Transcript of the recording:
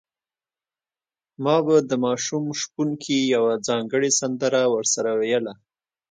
ما به د ماشوم شپونکي یوه ځانګړې سندره ورسره ویله.